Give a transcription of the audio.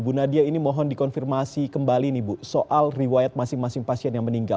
bu nadia ini mohon dikonfirmasi kembali nih bu soal riwayat masing masing pasien yang meninggal